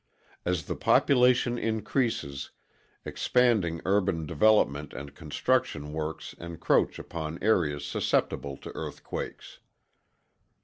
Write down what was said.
As the population increases, expanding urban development and construction works encroach upon areas susceptible to earthquakes.